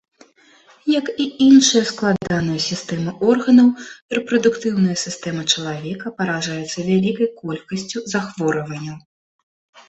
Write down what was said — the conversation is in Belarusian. Як і іншыя складаныя сістэмы органаў, рэпрадуктыўная сістэма чалавека паражаецца вялікай колькасцю захворванняў.